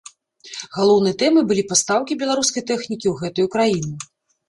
Галоўнай тэмай былі пастаўкі беларускай тэхнікі ў гэтую краіну.